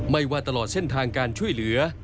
ว่าตลอดเส้นทางการช่วยเหลือ